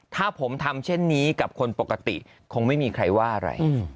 ถ้าผมทำเช่นนี้กับคนปกติคงไม่มีใครว่าอะไร